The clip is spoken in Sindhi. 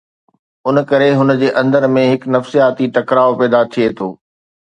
ان ڪري هن جي اندر ۾ هڪ نفسياتي ٽڪراءُ پيدا ٿئي ٿو.